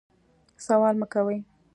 سوال مه کوئ